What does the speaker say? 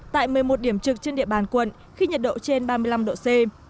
tại một mươi một điểm trực trên địa bàn quận khi nhiệt độ trên ba mươi năm độ c